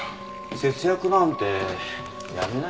節約なんてやめなよ。